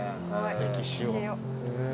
歴史を。